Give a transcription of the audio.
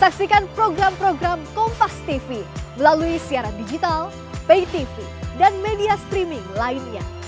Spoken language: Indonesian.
kompastv melalui siaran digital pay tv dan media streaming lainnya